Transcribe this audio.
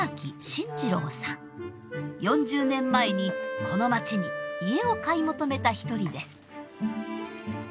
４０年前にこの町に家を買い求めた一人です。